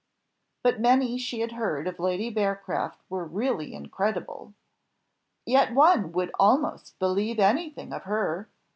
But many she had heard of Lady Bearcroft were really incredible. "Yet one would almost believe anything of her."